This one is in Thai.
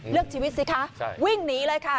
เลือกชีวิตสิคะวิ่งหนีเลยค่ะ